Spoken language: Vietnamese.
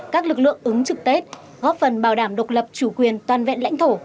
các lực lượng ứng trực tết góp phần bảo đảm độc lập chủ quyền toàn vẹn lãnh thổ